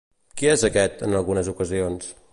Qui és aquest, en algunes ocasions?